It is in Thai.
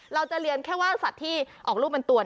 เราจะเรียนแค่ว่าสัตว์ที่ออกรูปเป็นตัว